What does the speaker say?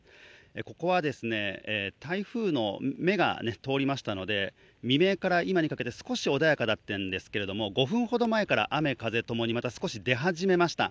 ここは台風の目が通りましたので未明から今まで少し穏やかだったんですけれども５分ほど前から雨・風ともにまた少し出始めました。